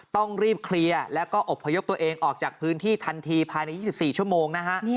ต้องรีบเคลียร์แล้วก็อบพยพตัวเองออกจากพื้นที่ทันทีภายใน๒๔ชั่วโมงนะฮะ